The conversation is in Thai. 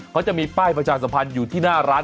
เขาจะมีป้ายประชาสัมพันธ์อยู่ที่หน้าร้าน